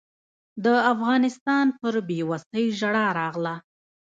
د افغانستان پر بېوسۍ ژړا راغله.